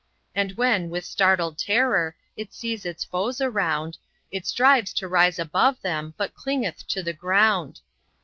And when, with startled terror, it sees its foes around, It strives to rise above them, but clingeth to the ground.